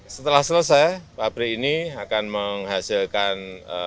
setelah selesai pabrik ini akan menghasilkan